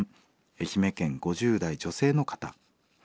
愛媛県５０代女性の方。